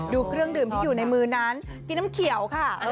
เครื่องดื่มที่อยู่ในมือนั้นกินน้ำเขียวค่ะ